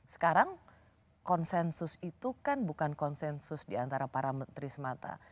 sekarang konsensus itu kan bukan konsensus diantara para menteri semata